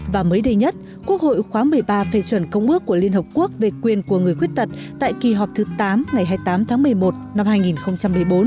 và mới đây nhất quốc hội khóa một mươi ba phê chuẩn công ước của liên hợp quốc về quyền của người khuyết tật tại kỳ họp thứ tám ngày hai mươi tám tháng một mươi một năm hai nghìn một mươi bốn